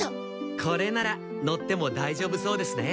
これなら乗ってもだいじょうぶそうですね。